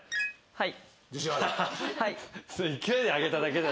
はい。